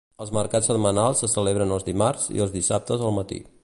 Els mercats setmanals se celebren els dimarts i els dissabtes al matí.